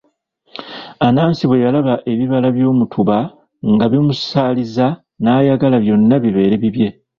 Anansi bwe yalaba ebibala by'omutuba nga bimusaaliza n'ayagala byonna bibeere bibye.